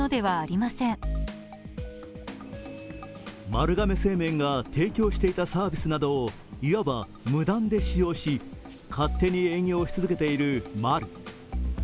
丸亀製麺が提供していたサービスなどを、いわば無断で使用し勝手に営業し続けている、マル。